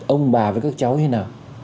ông bà với các cháu như thế nào